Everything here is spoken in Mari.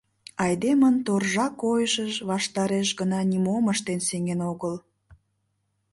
Айдемын торжа койышыж ваштареш гына нимом ыштен сеҥен огыл...